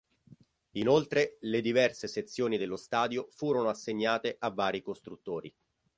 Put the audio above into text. Inoltre le diverse sezioni dello stadio furono assegnate a vari costruttori.